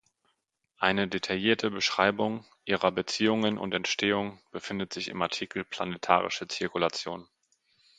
Eine detaillierte Beschreibung ihrer Beziehungen und Entstehung befindet sich im Artikel Planetarische Zirkulation.